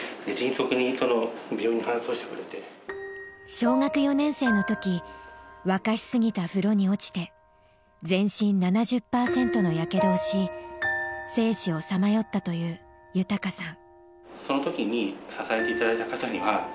小学４年生のとき沸かしすぎた風呂に落ちて全身７０パーセントのやけどをし生死をさまよったという豊さん。